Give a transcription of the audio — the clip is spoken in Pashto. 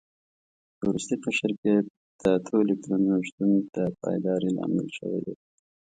په وروستي قشر کې د اتو الکترونونو شتون د پایداري لامل شوی دی.